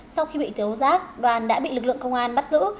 sau khi bị tiếu rác đoàn đã bị lực lượng công an bắt giữ